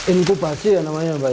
inkubasi ya namanya mbak